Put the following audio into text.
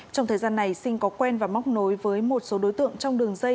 trong thời gian này sinh có quen và móc nối với một số đối tượng trong đường dây